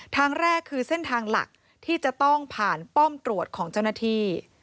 ทางแรกคือเส้นทางหลักที่จะต้องผ่านป้อมตรวจของเจ้าหน้าที่